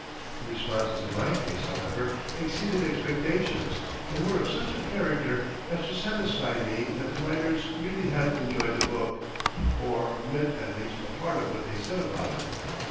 The responses in my case, however, exceeded expectations, and were of such a character as to satisfy me that the writers really had enjoyed the book, or meant at least a part of what they said about it.